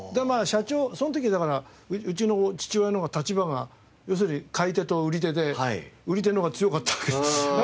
その時だからうちの父親の方が立場が要するに買い手と売り手で売り手の方が強かった。